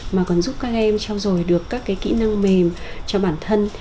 mà còn giúp các em trao dồi được các kỹ năng mềm cho bản thân